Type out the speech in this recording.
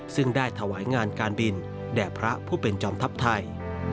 ซึ่งได้ถวายงานการบินแด่พระผู้เป็นจอมทัพไทย